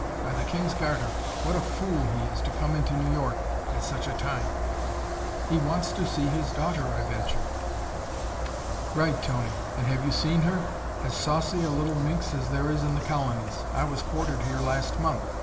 By the King's garter, what a fool he is to come into New York at such a time!" "He wants to see his daughter, I venture." "Right, Tony. And have you seen her? As saucy a little minx as there it in the Colonies. I was quartered here last month.